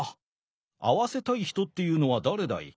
会わせたい人っていうのは誰だい？